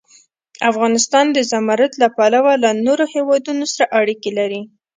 افغانستان د زمرد له پلوه له نورو هېوادونو سره اړیکې لري.